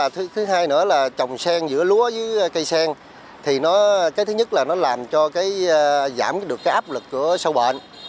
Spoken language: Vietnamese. thứ hai nữa là trồng sen giữa lúa với cây sen thì thứ nhất là nó làm cho giảm được áp lực của sâu bệnh